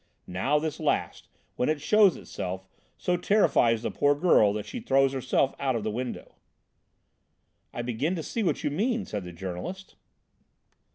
Now this last, when it shows itself, so terrifies the poor girl that she throws herself out of the window." "I begin to see what you mean," said the journalist.